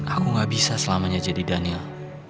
aku gak bisa selamanya jadi daniel